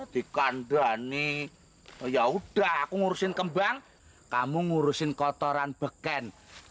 dikandani yaudah aku ngurusin kembang kamu ngurusin kotoran beken